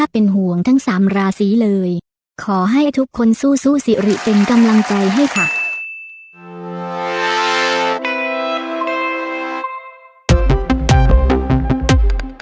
โปรดติดตามตอนต่อไป